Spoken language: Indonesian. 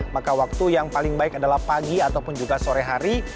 maka waktu yang paling baik adalah pagi ataupun juga sore hari